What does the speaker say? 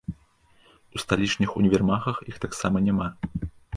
У сталічных універмагах іх таксама няма.